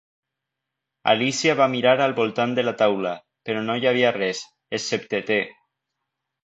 Alícia va mirar al voltant de la taula, però no hi havia res, excepte te.